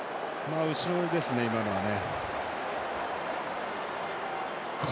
後ろですね、今のね。